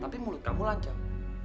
tapi mulut kamu lancang